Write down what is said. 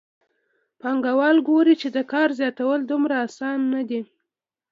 پانګوال ګوري چې د کار زیاتول دومره اسانه نه دي